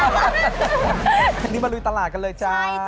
ถนิดนี่มารุยตลาดกันเลยจ้า